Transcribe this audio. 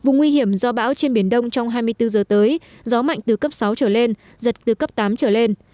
vùng nguy hiểm do bão trên biển đông trong hai mươi bốn giờ tới gió mạnh từ cấp sáu trở lên giật từ cấp tám trở lên